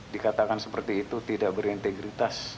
dikatakan seperti itu tidak berintegritas